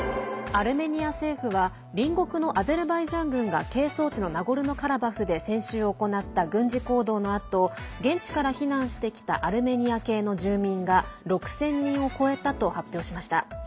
アルメニア政府は隣国のアゼルバイジャン軍が係争地のナゴルノカラバフで先週行った軍事行動のあと現地から避難してきたアルメニア系の住民が６０００人を超えたと発表しました。